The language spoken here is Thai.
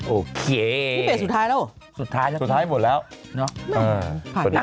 โอเคสุดท้ายแล้วหรือเปล่าสุดท้ายหมดแล้วสุดท้าย